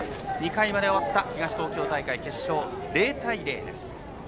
２回まで終わった東東京大会決勝０対０です。